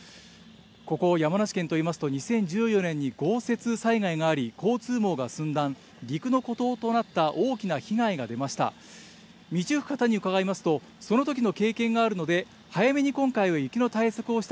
ここ、山梨県といいますと、２０１４年に豪雪災害があり、交通網が寸断、陸の孤島となった、大きな被害が出ました。